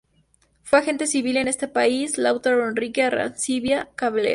Fue agente civil en ese país Lautaro Enrique Arancibia Clavel.